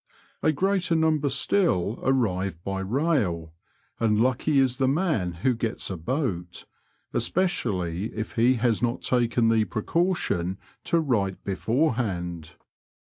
A greater number still arrive by raiU and lucky is the man who gets a boat, especially if he has not taken the precaution to write beforehand.